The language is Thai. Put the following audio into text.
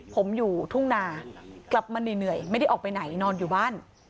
ผมอยู่ทุ่งนากลับมาเหนื่อยไม่ได้ออกไปไหนนอนอยู่บ้าน